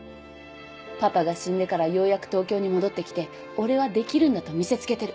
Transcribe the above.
パパが死んでからようやく東京に戻ってきて俺はできるんだと見せつけてる。